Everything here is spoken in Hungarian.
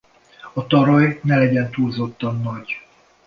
A taraj ne legyen túlzottan nagy.